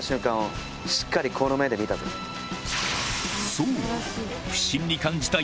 そう！